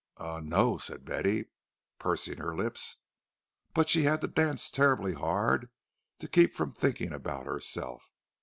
"Um—no," said Betty, pursing her lips. "But she had to dance terribly hard to keep from thinking about herself."